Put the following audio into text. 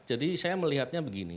jadi saya melihatnya begini